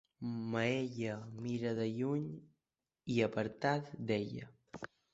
Maella, mira-la de lluny i aparta't d'ella.